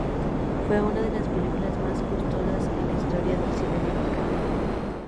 Fue una de las películas más costosas en la historia del cine mexicano.